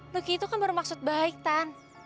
lucky itu kan baru maksud baik tan